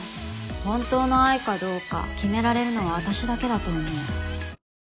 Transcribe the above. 本当の愛かどうか決められるのは私だけだと思う。